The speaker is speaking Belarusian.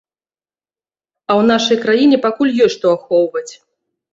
А ў нашай краіне пакуль ёсць што ахоўваць.